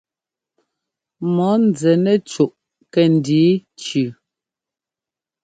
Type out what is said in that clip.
Mɔ̌ nzɛ nɛ cúʼ kɛ́ndǐ cʉʉ.